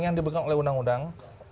yang dipegang oleh undang undang